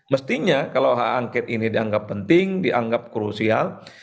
mestinya kalau hak angket ini dianggap penting dianggap krusial